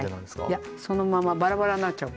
いやそのままバラバラになっちゃう。